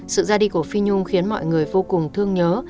sự ra đi của phi nhung khiến mọi người vô cùng thương nhớ